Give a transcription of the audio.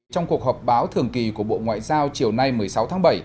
trong cuộc họp báo thường kỳ của bộ ngoại giao chiều nay một mươi sáu tháng bảy